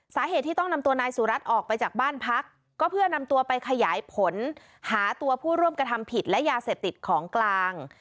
สาเหตุที่ต้องนำตัวนายสุรัตน์ออกไปจากบ้านพักก็เพื่อนำตัวไปขยายผลหาตัวผู้ร่วมกระทำผิดและยาเสพติดของกลาง